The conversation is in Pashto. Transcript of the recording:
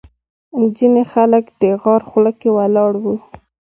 ځینې خلک د غار خوله کې ولاړ وو.